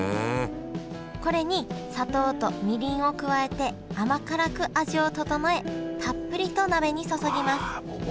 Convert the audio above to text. これに砂糖とみりんを加えて甘辛く味を調えたっぷりと鍋に注ぎますもう和の味だね。